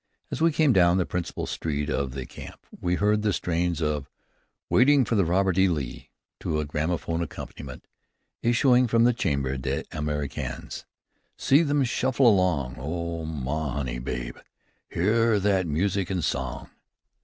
As we came down the principal street of the camp, we heard the strains of "Waiting for the Robert E. Lee," to a gramophone accompaniment, issuing from the chambre des Américains. "See them shuffle along, Oh, ma honey babe, Hear that music and song."